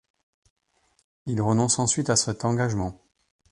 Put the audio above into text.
Il renonce ensuite à cet engagement.